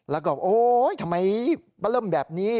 แล้วก็โอ๊ยทำไมมาเริ่มแบบนี้